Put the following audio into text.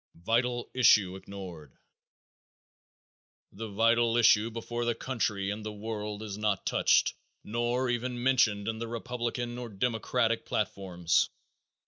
Vital Issue Ignored. The vital issue before the country and the world is not touched, nor even mentioned in the Republican or Democratic platforms.